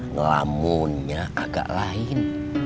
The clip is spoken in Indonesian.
ngelamunnya agak lain